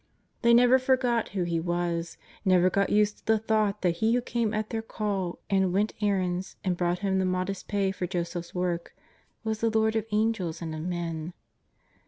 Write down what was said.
They never forgot who He was ; never got used to the thought that He who came at their call, and went errands, and brought home the modest pay for Joseph's work, was the Lord of Angels and of men.